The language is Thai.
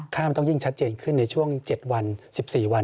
ข้างต้องยิ่งชัดเจนขึ้นในช่วงเจ็ดวันสิบสี่วัน